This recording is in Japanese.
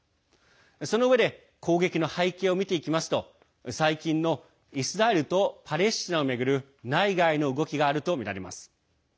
そのうえで攻撃の背景を見ていきますと最近のイスラエルとパレスチナを巡る内外の動きがあるとみられます。